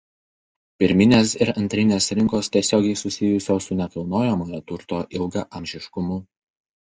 Pirminės ir antrinės rinkos tiesiogiai susijusios su nekilnojamojo turto ilgaamžiškumu.